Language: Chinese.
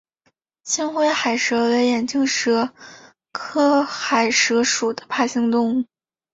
青灰海蛇为眼镜蛇科海蛇属的爬行动物。